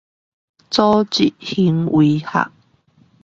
組織行為學